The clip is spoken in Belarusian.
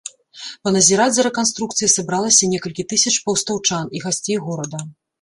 Паназіраць за рэканструкцыяй сабралася некалькі тысяч пастаўчан і гасцей горада.